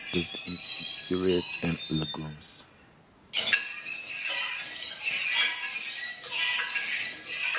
It is also often recorded in estuaries and lagoons.